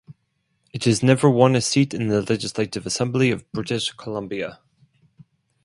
It has never won a seat in the Legislative Assembly of British Columbia.